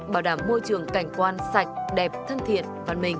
bảo đảm môi trường cảnh quan sạch đẹp thân thiện văn minh